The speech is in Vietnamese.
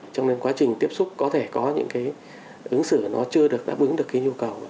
trong quá trình tiếp xúc có thể có những ứng xử chưa đáp ứng được nhu cầu